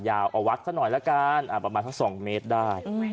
เอาวัดซะหน่อยละกันประมาณสัก๒เมตรได้